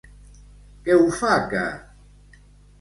Què ho fa que...?